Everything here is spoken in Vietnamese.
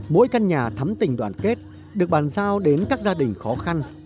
mỗi căn nhà thắm tình đoàn kết được bàn giao đến các gia đình khó khăn